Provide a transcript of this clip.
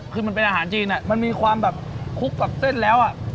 คือมันเป็นอาหารจีนมันมีความแบบคลุกกับเส้นแล้ว